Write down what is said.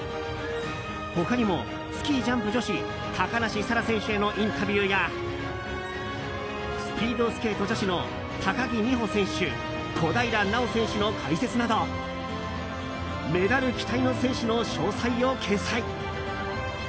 他にも、スキージャンプ女子高梨沙羅選手へのインタビューやスピードスケート女子の高木美帆選手、小平奈緒選手の解説などメダル期待の選手の詳細を掲載。